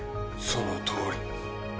そのとおり。